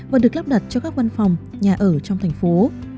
và được lắp đặt cho các văn phòng nhà ở trong thành phố